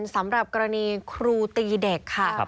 สำหรับกรณีครูตีเด็กค่ะ